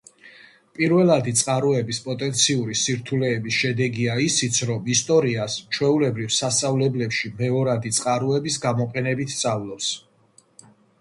პირველადი წყაროების პოტენციური სირთულეების შედეგია ისიც, რომ ისტორიას, ჩვეულებრივ, სასწავლებლებში მეორადი წყაროების გამოყენებით სწავლობს.